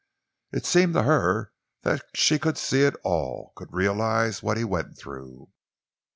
It seemed to her that she could see it all, could realise what he went through.